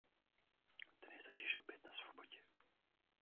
Ten je totiž opět na svobodě.